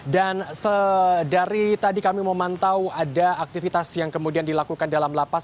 dan dari tadi kami memantau ada aktivitas yang kemudian dilakukan di dalam lapas